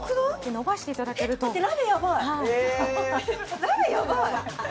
のばしていただけるとはいラメやばい！